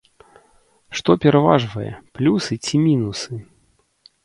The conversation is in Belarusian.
Што пераважвае, плюсы ці мінусы?